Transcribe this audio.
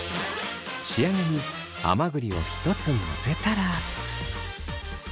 仕上げに甘栗を１つのせたら。